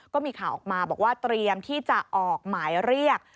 ก็มีข่าวออกมาบอกว่าเตรียมที่จะออกหมายเรียก